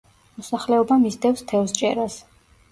მოსახლეობა მისდევს თევზჭერას.